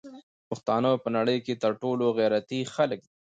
پښتانه په نړی کی تر ټولو غیرتی خلک دی